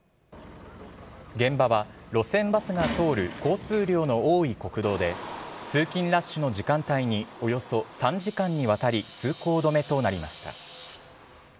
現場は路線バスが通る交通量の多い国道で、通勤ラッシュの時間帯におよそ３時間にわたり通行止めとなりました。